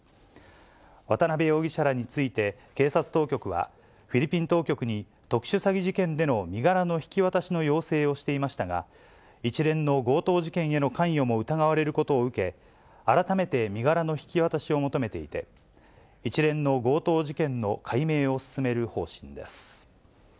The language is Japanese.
渡辺容疑者らについて、警察当局は、フィリピン当局に、特殊詐欺事件での身柄の引き渡しの要請をしていましたが、一連の強盗事件への関与も疑われることを受け、改めて身柄の引き渡しを求めていて、一連の強盗事件の解明を進める方針です。